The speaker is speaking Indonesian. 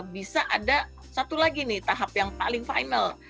bisa ada satu lagi nih tahap yang paling final